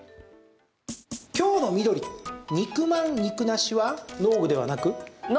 今日の緑、肉まん肉なしは農具ではなく？